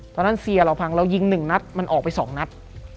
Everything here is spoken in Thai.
เซียเราพังเรายิง๑นัดมันออกไป๒นัด